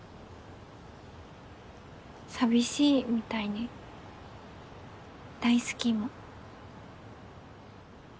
寂しいみたいに大好きも。